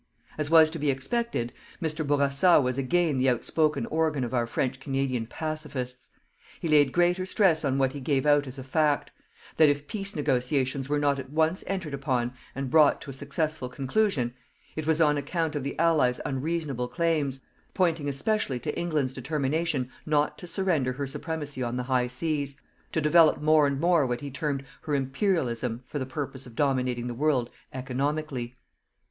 As was to be expected, Mr. Bourassa was again the outspoken organ of our French Canadian pacifists. He laid great stress on what he gave out as a fact: that if peace negotiations were not at once entered upon and brought to a successful conclusion, it was on account of the Allies' unreasonable claims, pointing especially to England's determination not to surrender her supremacy on the high seas, to develop more and more what he termed her imperialism for the purpose of dominating the world economically.